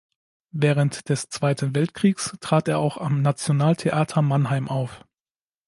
Während des Zweiten Weltkriegs trat er auch am Nationaltheater Mannheim auf.